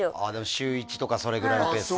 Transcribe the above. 週１とかそれぐらいのペース